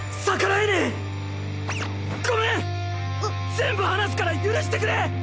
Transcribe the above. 全部話すから許してくれ！